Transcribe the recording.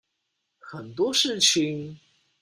很多事情